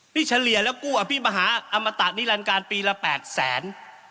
เฉลี่ยแล้วกู้อภิมหาอมตะนิรันการปีละ๘แสน